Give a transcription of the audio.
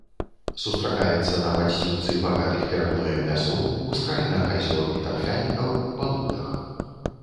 Сустракаецца на падсцілцы багатых перагноем лясоў, ускраінах азёр і тарфянікаў, балотах.